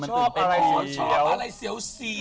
ชอบอะไรเสียว